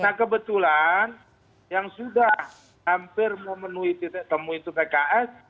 nah kebetulan yang sudah hampir memenuhi titik temu itu pks